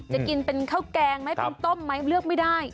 จะกินเป็นข้าวแกงไหมเป็นต้มไหมเลือกไม่ได้